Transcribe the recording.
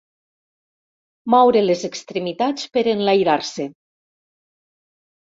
Moure les extremitats per enlairar-se.